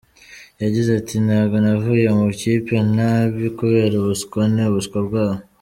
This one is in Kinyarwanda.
Yagize ati “Ntabwo navuye mu ikipe nabi kubera ubuswa, ni ubuswa bwabo.